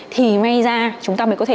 thì may ra chúng ta mới có thể